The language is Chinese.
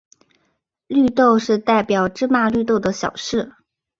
绿豆是代表芝麻绿豆的小事。